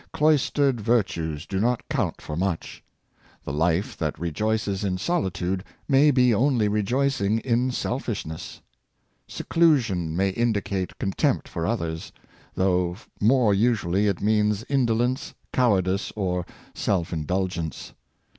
Cloistered virtues do not count for much. The life that rejoices in solitude may be only rejoicing in selfishness. Seclusion may indicate con tempt for others; though more usually it means indo lence, cowardice, or self indulgence.